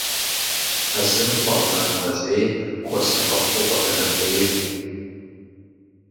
Хьэзыр хъуа мэрэмэжьейр хуэсакъыпэу къыдрахьеиж.